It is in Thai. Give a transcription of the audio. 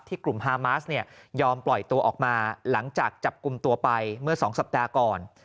กลุ่มฮามาสเนี่ยยอมปล่อยตัวออกมาหลังจากจับกลุ่มตัวไปเมื่อ๒สัปดาห์ก่อน